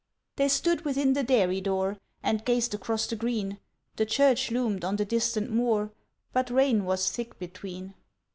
They stood within the dairy door, And gazed across the green; The church loomed on the distant moor, But rain was thick between.